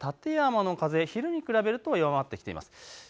館山の風、昼に比べると弱まってきています。